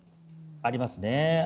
ありますね。